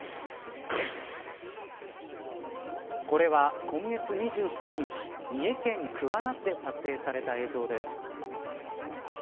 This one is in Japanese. これは今月２３日三重県桑名市で撮影された映像です。